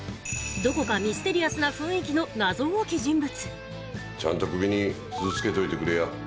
どこかミステリアスな雰囲気の謎多き人物ちゃんと首に鈴つけといてくれや。